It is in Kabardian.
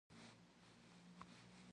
Xet de t'um nexhıjır?